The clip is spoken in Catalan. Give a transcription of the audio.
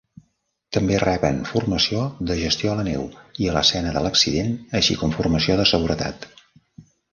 També reben formació de gestió a la neu i a l'escena de l'accident, així com formació de seguretat.